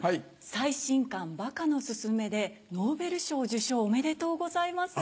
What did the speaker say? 最新刊『バカのすすめ』でノーベル賞受賞おめでとうございます。